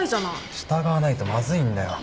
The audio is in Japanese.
従わないとまずいんだよ。